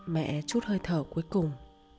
mẹ chút hơi thở cuối cùng